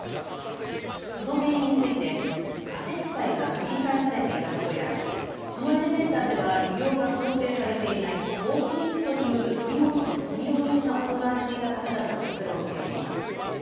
その原因について過積載が繰り返されていたことやこのエレベーターでは利用が想定されていないフォークリフトによる荷物の積み降ろしが行われていたためだと結論づけています。